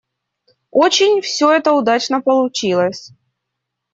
Очень все это удачно получилось.